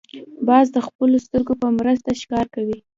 باز د خپلو سترګو په مرسته ښکار کوي